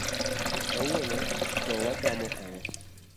Kawuono to wachamo ng'o.